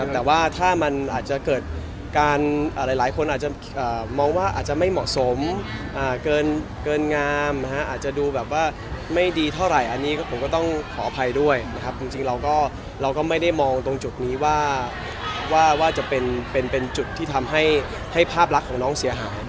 แต่ว่าถ้ามันอาจจะเกิดการหลายคนอาจจะมองว่าอาจจะไม่เหมาะสมเกินงามอาจจะดูแบบว่าไม่ดีเท่าไหร่อันนี้ผมก็ต้องขออภัยด้วยนะครับจริงเราก็ไม่ได้มองตรงจุดนี้ว่าจะเป็นจุดที่ทำให้ภาพลักษณ์ของน้องเสียหาย